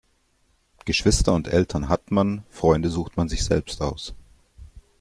Geschwister und Eltern hat man, Freunde sucht man sich selbst aus.